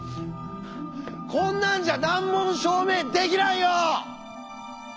こんなんじゃ難問の証明できないよ！